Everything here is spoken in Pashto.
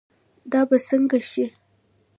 دا به سنګه شي